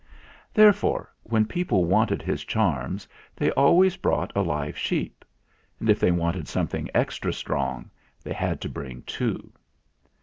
Therefore, when people wanted his charms they always brought a live sheep; and if they THE MYSTERY MAN 19 wanted something extra strong they had to bring two.